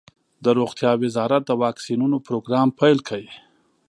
د روغتیا وزارت د واکسینونو پروګرام پیل کړ.